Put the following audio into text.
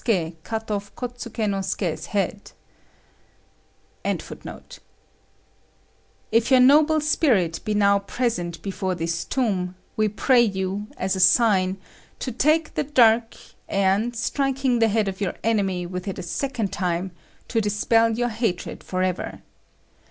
If your noble spirit be now present before this tomb, we pray you, as a sign, to take the dirk, and, striking the head of your enemy with it a second time, to dispel your hatred for ever.